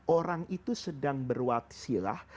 orang itu sedang berwatsilah